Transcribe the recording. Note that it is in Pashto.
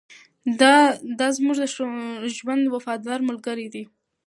دا زموږ د ژوند وفاداره ملګرې ده.